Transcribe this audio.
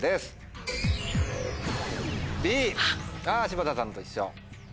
柴田さんと一緒。